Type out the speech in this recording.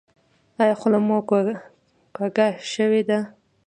ایا خوله مو کوږه شوې ده؟